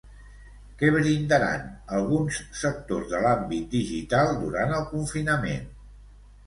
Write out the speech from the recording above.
Què brindaran alguns sectors de l'àmbit digital durant el confinament?